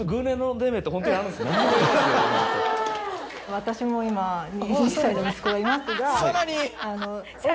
私も今２歳の息子がいますが。